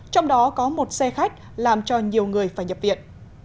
trong đó có một xe khách làm cho nhiều người phải nhập viện